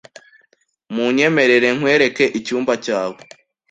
Munyemerere nkwereke icyumba cyawe .